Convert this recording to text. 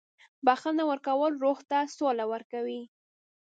• بخښنه ورکول روح ته سوله ورکوي.